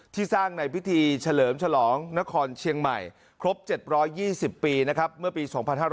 สร้างในพิธีเฉลิมฉลองนครเชียงใหม่ครบ๗๒๐ปีนะครับเมื่อปี๒๕๕๙